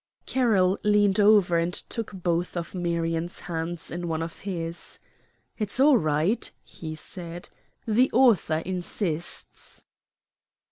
Carroll leaned over and took both of Marion's hands in one of his. "It's all right," he said; "the author insists."